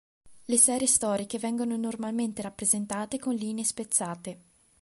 Le serie storiche vengono normalmente rappresentate con linee spezzate.